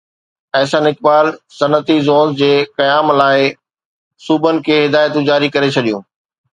احسن اقبال صنعتي زونز جي قيام لاءِ صوبن کي هدايتون جاري ڪري ڇڏيون